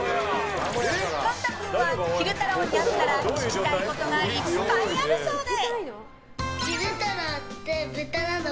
貫汰君は昼太郎に会ったら聞きたいことがいっぱいあるそうで。